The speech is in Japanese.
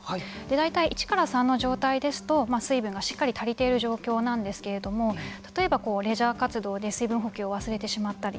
大体１から３の状態ですと水分がしっかり足りている状況なんですけれども例えば、レジャー活動で水分補給を忘れてしまったり。